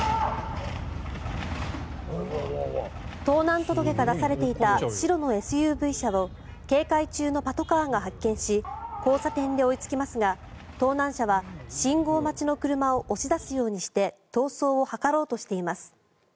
盗難届が出されていた白のＳＵＶ車を警戒中のパトカーが発見し交差点で追いつきますが盗難車は信号待ちの車を押し出すようにして逃走を図ろうとしています。